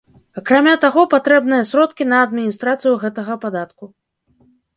Акрамя таго, патрэбныя сродкі на адміністрацыю гэтага падатку.